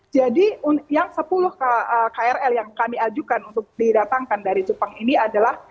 jadi yang sepuluh krl yang kami ajukan untuk didatangkan dari jepang ini adalah